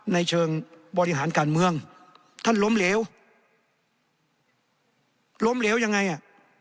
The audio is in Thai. ในเชิงบริหารการเมืองท่านล้มเหลวล้มเหลวยังไงอ่ะ